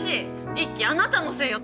イッキあなたのせいよ。